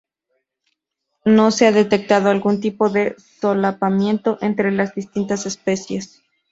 No se ha detectado algún tipo de solapamiento entre las distintas especies.